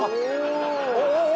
お！